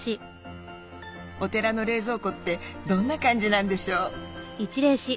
お寺の冷蔵庫ってどんな感じなんでしょう？